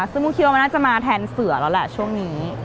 ซึ่งมุคิดว่ามันน่าจะมาแทนเสือแล้วแหละช่วงนี้